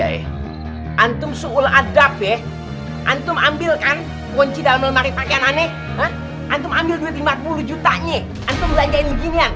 ini anak urusan